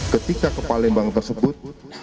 ketika ke palembang tersebut